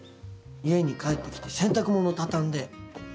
家に帰ってきて洗濯物畳んで。